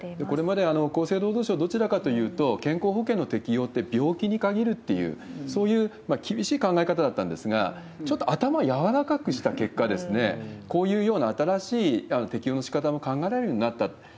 これまで厚生労働省はどちらかというと、健康保険の適用って病気に限るっていう、そういう厳しい考え方だったんですが、ちょっと頭を柔らかくした結果、こういうような新しい適用のしかたも考えられるようになったと。